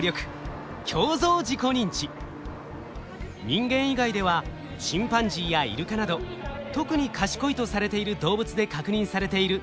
人間以外ではチンパンジーやイルカなど特に賢いとされている動物で確認されている高度な能力です。